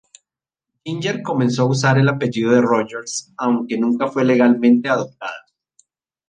Ginger comenzó a usar el apellido de Rogers, aunque nunca fue legalmente adoptada.